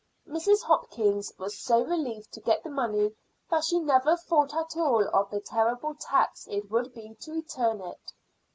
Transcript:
Mrs. Hopkins was so relieved to get the money that she never thought at all of the terrible tax it would be to return it.